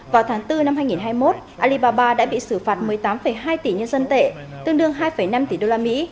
vào tháng bốn năm hai nghìn hai mươi một alibaba đã bị xử phạt một mươi tám hai tỷ nhân dân tệ tương đương hai năm tỷ đô la mỹ